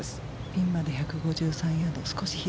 ピンまで１５３ヤード。